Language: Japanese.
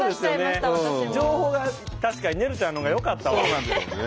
情報が確かにねるちゃんのほうがよかったわ。